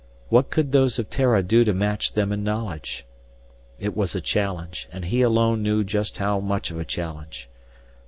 What could those of Terra do to match them in knowledge? It was a challenge, and he alone knew just how much of a challenge.